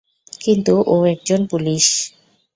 কিন্তু ও একজন পুলিশ।